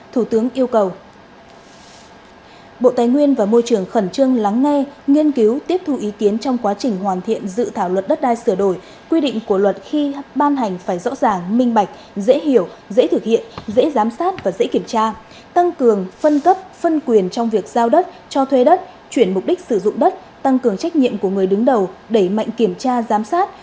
thủ tướng yêu cầu bộ tài nguyên và môi trường khẩn trương lắng nghe nghiên cứu tiếp thu ý kiến trong quá trình hoàn thiện dự thảo luật đất đai sửa đổi quy định của luật khi ban hành phải rõ ràng minh bạch dễ hiểu dễ thực hiện dễ giám sát và dễ kiểm tra tăng cường phân cấp phân quyền trong việc giao đất cho thuê đất chuyển mục đích sử dụng đất tăng cường trách nhiệm của người đứng đầu đẩy mạnh kiểm tra giám sát